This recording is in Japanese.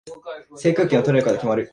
制空権を取れるかで決まる